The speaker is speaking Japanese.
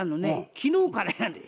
昨日からやねん。